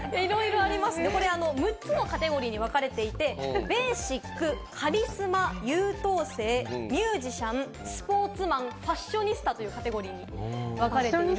６つのカテゴリーにわかれていて、ベーシック、カリスマ、優等生、ミュージシャン、スポーツマン、ファッショニスタというカテゴリーにわかれている。